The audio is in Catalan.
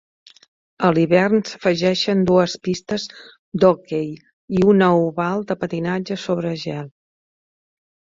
A l'hivern s'afegeixen dues pistes d'hoquei i un oval de patinatge sobre gel.